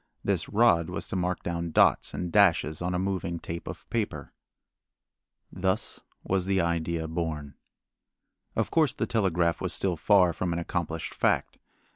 This rod was to mark down dots and dashes on a moving tape of paper. Thus was the idea born. Of course the telegraph was still far from an accomplished fact.